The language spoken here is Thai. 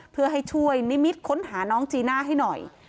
เพื่อให้ช่วยนิมิตค้นหาน้องจีน่าให้หน่อย